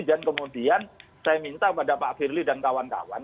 dan kemudian saya minta kepada pak firly dan kawan kawan